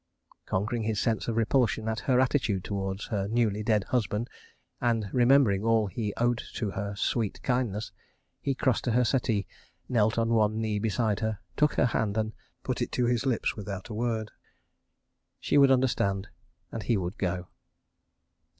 ... Conquering his sense of repulsion at her attitude toward her newly dead husband, and remembering all he owed to her sweet kindness, he crossed to her settee, knelt on one knee beside her, took her hand, and put it to his lips without a word. She would understand—and he would go.